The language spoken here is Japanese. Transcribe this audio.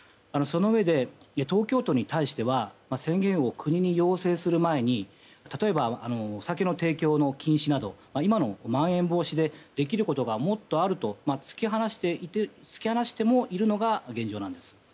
そのうえで、東京都に対しては宣言を国に要請する前に例えば、お酒の提供の禁止など今のまん延防止でできることがもっとあると突き放してもいるのが現状です。